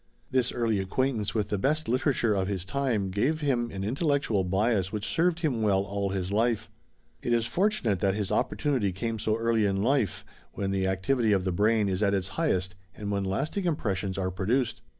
This early acquaintance with the best literature of his time gave him an intellectual bias which served him well all his life. It is fortunate that his opportunity came so early in life, when the activity of the brain is at its highest and when lasting impressions are produced.